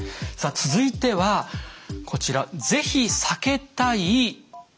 さあ続いてはこちら「ぜひ避けたい」